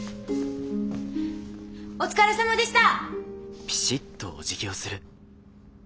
お疲れさまでした！